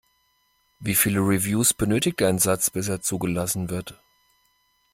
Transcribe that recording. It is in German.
Wie viele Reviews benötigt ein Satz, bis er zugelassen wird?